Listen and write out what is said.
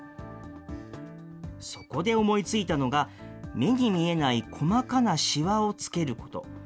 そこで思いついたのが、目に見えない細かなしわをつけること。